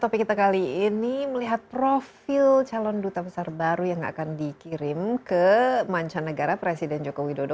topik kita kali ini melihat profil calon duta besar baru yang akan dikirim ke mancanegara presiden joko widodo